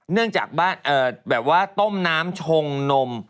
เนื่องจากบ้านแบบว่าต้มน้ำชงนม